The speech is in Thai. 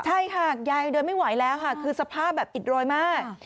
ใช่ค่ะยายเดินไม่ไหวแล้วค่ะคือสภาพแบบอิดโรยมาก